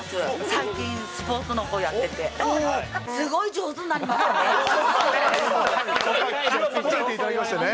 最近、スポーツのほうやってて、すごい上手になりましたね。